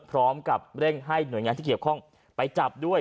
พร้อมกับเร่งให้หน่วยงานที่เกี่ยวข้องไปจับด้วย